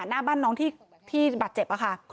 หน้าบ้านน้องที่บาดเจ็บค่ะ